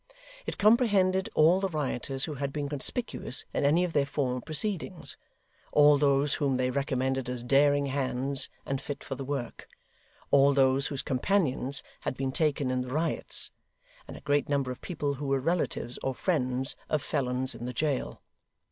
It comprehended all the rioters who had been conspicuous in any of their former proceedings; all those whom they recommended as daring hands and fit for the work; all those whose companions had been taken in the riots; and a great number of people who were relatives or friends of felons in the jail.